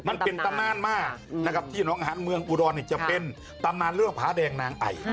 มันเป็นตำนานมากที่ห้างเมืองอุดรจะเป็นตำนานเรื่องภาษาแดงนางไอ